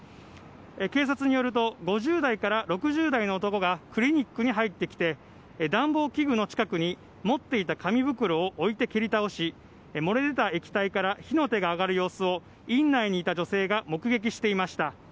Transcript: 警察によると５０代から６０代の男がクリニックに入ってきて暖房器具の近くに持っていた紙袋を置いて蹴り倒し漏れ出た液体から火の手が上がる様子を院内にいた女性が目撃していました。